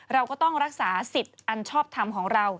เราก็ต้องรักษาสิทธิ์อันชอบทำของเรา